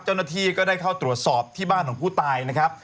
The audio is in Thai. เจ้าหน้าที่ก็ได้เข้าตรวจสอบที่บ้านของผู้ตายนะครับ